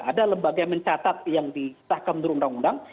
ada lembaga yang mencatat yang disahkan menurut undang undang